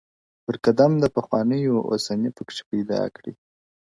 • پر قدم د پخوانیو اوسنی پکښی پیدا کړي -